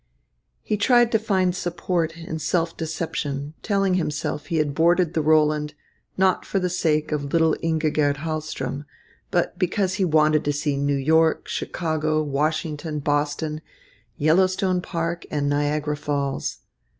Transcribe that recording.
He tried to find support in self deception, telling himself he had boarded the Roland, not for the sake of little Ingigerd Hahlström, but because he wanted to see New York, Chicago, Washington, Boston, Yellowstone Park, and Niagara Falls.